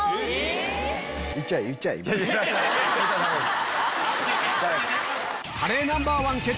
言っちゃダメです！